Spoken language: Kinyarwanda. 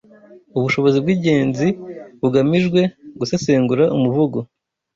Ubushobozi bw’ingenzi bugamijwe Gusesengura umuvugo